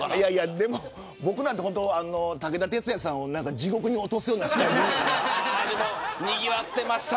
僕なんて武田鉄矢さんを地獄に落とすような司会をしていました。